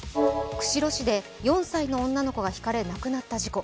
釧路市で４歳の女の子がひかれて亡くなった事故。